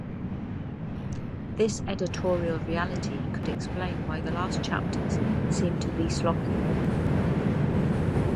This editorial reality could explain why the last chapters seem to be sloppy.